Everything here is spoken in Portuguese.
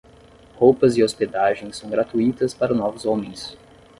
Roupas e hospedagem são gratuitas para novos homens.